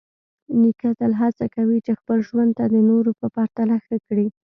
نیکه تل هڅه کوي چې خپل ژوند د نورو په پرتله ښه کړي.